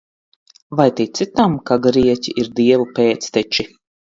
Vai tici tam, ka grieķi ir dievu pēcteči?